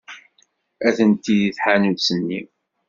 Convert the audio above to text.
Atenti deg tḥanut-nni.